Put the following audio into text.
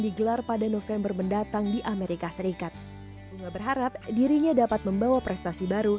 digelar pada november mendatang di amerika serikat bunga berharap dirinya dapat membawa prestasi baru